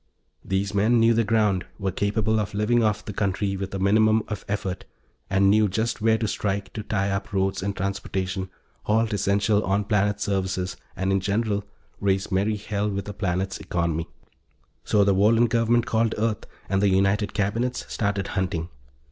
Those men knew the ground, were capable of living off the country with a minimum of effort, and knew just where to strike to tie up roads and transportation, halt essential on planet services and, in general, raise merry hell with a planet's economy. So the Wohlen government called Earth and the United Cabinets started hunting.